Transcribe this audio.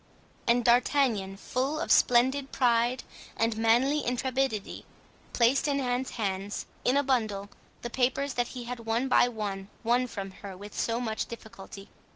And D'Artagnan, full of splendid pride and manly intrepidity, placed in Anne's hands, in a bundle, the papers that he had one by one won from her with so much difficulty.